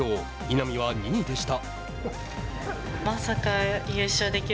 稲見は２位でした。